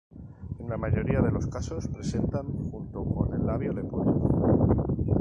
En la mayoría de los casos se presenta junto con el labio leporino.